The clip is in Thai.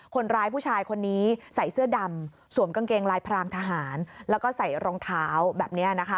คนร้ายผู้ชายคนนี้ใส่เสื้อดำสวมกางเกงลายพรางทหารแล้วก็ใส่รองเท้าแบบนี้นะคะ